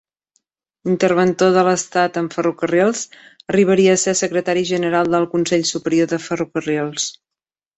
Interventor de l'Estat en ferrocarrils, arribaria a ser secretari general del Consell Superior de Ferrocarrils.